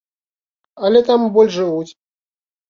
Але там і больш жывуць.